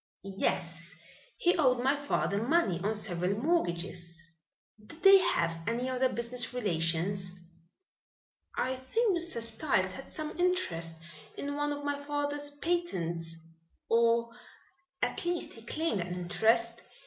"Yes, he owed my father money on several mortgages." "Did they have any other business relations?" "I think Mr. Styles had some interest in one of my father's patents or, at least he claimed an interest.